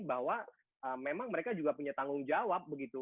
bahwa memang mereka juga punya tanggung jawab begitu